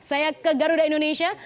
saya ke garuda indonesia